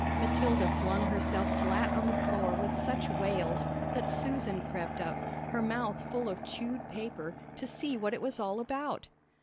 Matilda flung herself flat on the floor with such wails that Susan crept up, her mouth full of chewed paper, to see what it was all about.